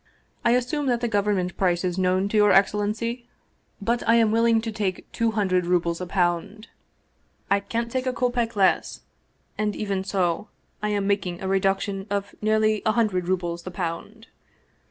I assume that the government price is known to your excellency? "" But I am willing to take two hundred rubles a pound. 235 Russian Mystery Stories I can't take a kopeck less, and even so I am making a re duction of nearly a hundred rubles the pound."